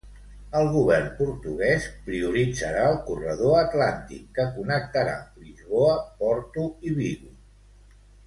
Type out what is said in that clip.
El govern portuguès prioritzarà el corredor Atlàntic que connectarà Lisboa, Porto i Vigo.